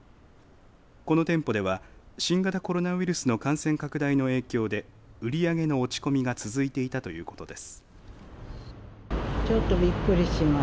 この店舗では新型コロナウイルスの感染拡大の影響で売り上げの落ち込みが続いていたということです。